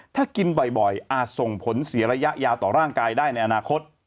ถ้ากินบ่อยอาจส่งผลเสียระยะยาวต่อร่างกายได้ในอนาคต